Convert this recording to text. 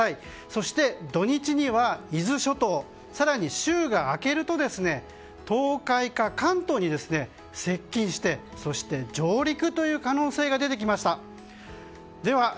そして、土日には伊豆諸島更に週が明けると東海か関東に接近してそして、上陸という可能性が出てきました。